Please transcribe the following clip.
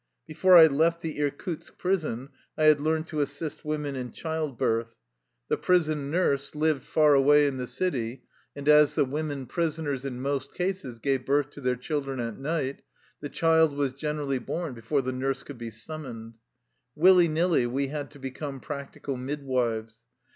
Before I left the Irkutsk prison, I had learned to assist women in child birth. The prison nurse lived 231 THE LIFE STOEY OF A RUSSIAN EXILE far away in the city and as the women prisoners in most eases gave birth to their children at night, the child was generally born before the nurse could be summoned. Willy nilly, we had to become practical midwives.